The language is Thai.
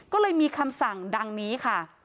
ก็เลยมีคำสั่งดังนี้ค่ะ